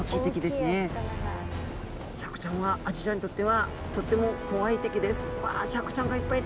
シャークちゃんはアジちゃんにとってはとっても怖い敵です。